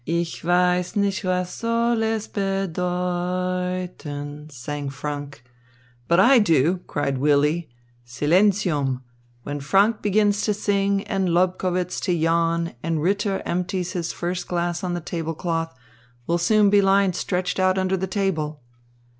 "'Ich weiss nicht, was soll es bedeuten,'" sang Franck. "But I do!" cried Willy. "Silentium! When Franck begins to sing and Lobkowitz to yawn and Ritter empties his first glass on the table cloth, we'll soon be lying stretched out under the table."